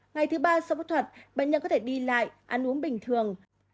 ngày thứ ba sau phẫu thuật bệnh nhân có thể đi lại ăn uống bình thường